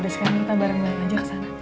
udah sekarang kita bareng balik aja kesana